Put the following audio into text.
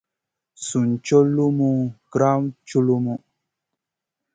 Sùn cow lumu grawd culumu.